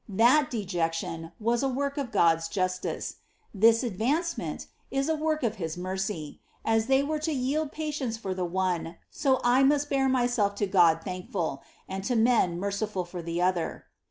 Thai deiection was a work of Ood^ justice ; this advancement is a work of his mercy ; as they were to yidd patience for the one, so 1 must bear myself to (}od thankfuL and to men merciAd for the other.''